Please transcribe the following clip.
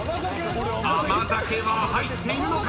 ［甘酒は入っているのか⁉］